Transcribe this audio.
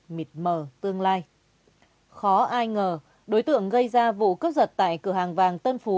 mịt mờ tương lai khó ai ngờ đối tượng gây ra vụ cướp giật tại cửa hàng vàng tân phú